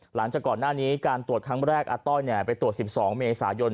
หลังจากก่อนหน้านี้การตรวจครั้งแรกอาต้อยไปตรวจ๑๒เมษายน